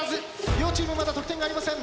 両チームまだ得点がありません。